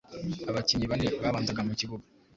Abakinnyi bane babanzaga mu kibuga